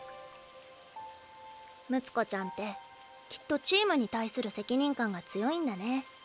睦子ちゃんってきっとチームに対する責任感が強いんだね。